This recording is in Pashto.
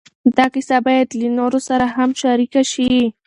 دا کیسه باید له نورو سره هم شریکه شي.